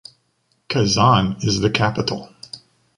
Kazan is the capital.